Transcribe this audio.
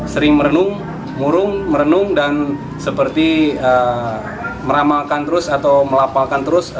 sering merenung murung merenung dan seperti meramalkan terus atau melapalkan terus